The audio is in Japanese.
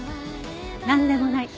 なんでもない。